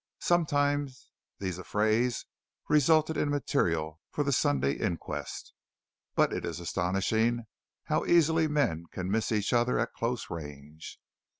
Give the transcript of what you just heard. Sometimes these affrays resulted in material for the Sunday inquests; but it is astonishing how easily men can miss each other at close range.